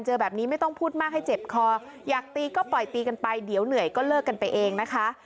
เจอแบบนี้ไม่ต้องพูดมากให้เจ็บคออยากตีก็ปล่อยตีกันไปเดี๋ยวเหนื่อยก็เลิกกันไปเองนะคะ